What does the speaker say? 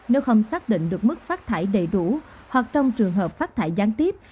nếu không xác định được mức phát thải đầy đủ hoặc trong trường hợp phát thải gián tiếp